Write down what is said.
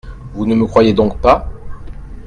Vous ne me croyez donc pas ?